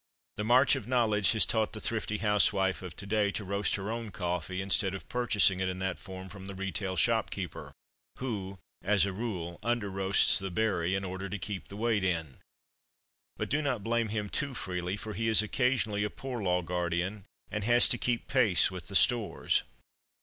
The march of knowledge has taught the thrifty housewife of to day to roast her own coffee, instead of purchasing it in that form from the retail shopkeeper, who, as a rule, under roasts the berry, in order to "keep the weight in." But do not blame him too freely, for he is occasionally a Poor Law Guardian, and has to "keep pace with the Stores."